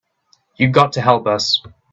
You got to help us.